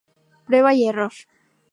Prueba y error.